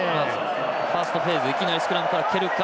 ファーストフェーズいきなりスクラムからいくか